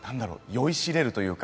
酔いしれるというか